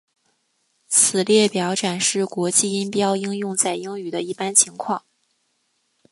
此列表展示国际音标应用在英语的一般情况。